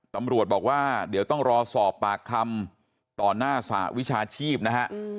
ตำรวจบอกว่าเดี๋ยวต้องรอสอบปากคำต่อหน้าสหวิชาชีพนะฮะ